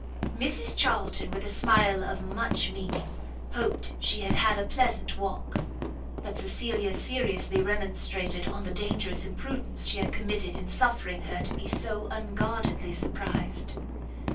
Mrs Charlton, with a smile of much meaning, hoped she had had a pleasant walk; but Cecilia seriously remonstrated on the dangerous imprudence she had committed in suffering her to be so unguardedly surprised.